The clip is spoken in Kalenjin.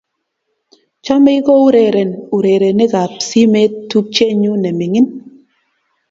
chomei koureren urerenikab simet tupchenyu ne mining'